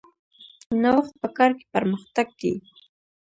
نوښت په کار کې پرمختګ دی